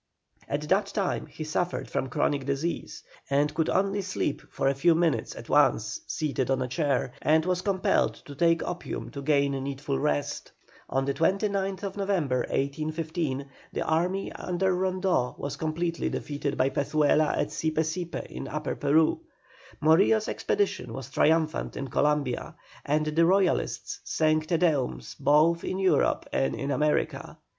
At that time he suffered from chronic disease, and could only sleep for a few minutes at once seated on a chair, and was compelled to take opium to gain needful rest. On the 29th November, 1815, the army under Rondeau was completely defeated by Pezuela at Sipe Sipe in Upper Peru. Morillo's expedition was triumphant in Columbia, and the Royalists sang Te Deums both in Europe and in America.